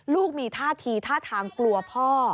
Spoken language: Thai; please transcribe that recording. ลูกมีท่าทีท่าทางกลัวพ่อ